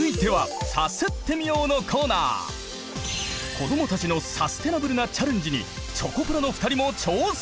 子どもたちのサステナブルなチャレンジにチョコプラの２人も挑戦！